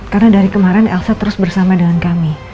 karena dari kemarin elsa terus bersama dengan kami